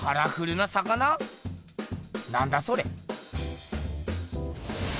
なんだそれ。